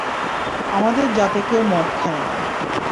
আমাদের জাতে কেউ মদ খায় না।